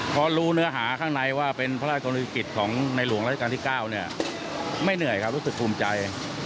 เพราะรู้เนื้อหาข้างในว่าการเป็นพระราชกรณีจิตของหน้า๓๒๙ไม่เหนื่อยครับรู้สึกภูมิใจ